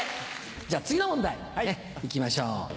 じゃ次の問題行きましょう。